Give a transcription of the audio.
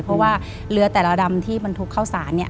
เพราะว่าเรือแต่ละดำที่บรรทุกเข้าสารเนี่ย